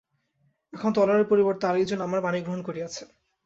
এখন তলোয়ারের পরিবর্তে আর একজন আমার পাণিগ্রহণ করিয়াছে।